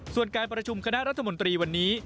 ส่วนการประชุมคณะรัฐมนตรีวันนี้